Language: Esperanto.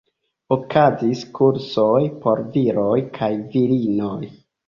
Okazis kursoj por viroj kaj virinoj.